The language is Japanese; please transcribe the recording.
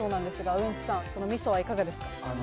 ウエンツさん、みそはいかがです